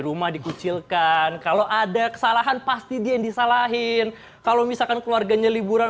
rumah dikucilkan kalau ada kesalahan pasti dia yang disalahin kalau misalkan keluarganya liburan